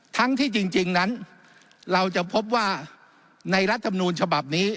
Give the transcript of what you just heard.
ทั้งที่จริงนั้นเราจะพบว่าในรัฐธรรมนูลฉบับนี้